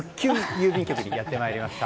郵便局にやってまいりました。